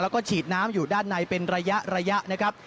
แล้วก็ฉีดน้ำอยู่ด้านในเป็นระยะนะครับ